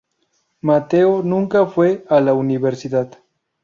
Mateo nunca fue a la universidad.